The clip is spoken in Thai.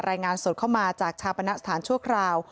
รายงานสดเข้ามาจากชาปณะสถานชั่วคราว